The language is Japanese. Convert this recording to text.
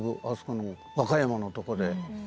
あそこの和歌山のとこで。